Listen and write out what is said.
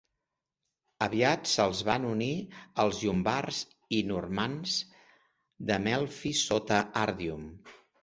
Aviat se'ls van unir els llombards i normands de Melfi sota Arduin.